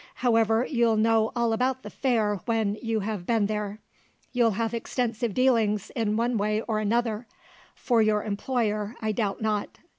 However, you'll know all about the fair when you have been there. You'll have extensive dealings in one way or another for your employer, I doubt not."